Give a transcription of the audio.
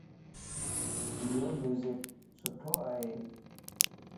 ايو ميوزڪ سٺو ائي